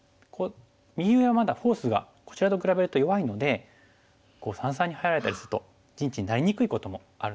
右上はまだフォースがこちらと比べると弱いので三々に入られたりすると陣地になりにくいこともあるんですね。